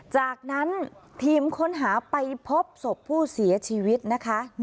จากนั้นทีมค้นหาไปพบศพผู้เสียชีวิตนะคะ